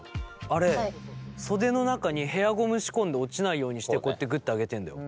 あれ袖の中にヘアゴム仕込んで落ちないようにしてこうやってグッて上げてんだよ。